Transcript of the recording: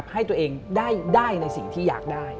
ให้ตัวเองได้ในสิ่งที่อยากได้